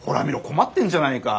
困ってんじゃないか。